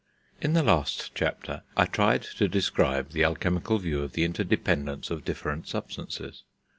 In the last chapter I tried to describe the alchemical view of the interdependence of different substances.